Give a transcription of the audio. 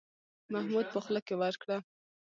محمود په خوله کې ورکړه.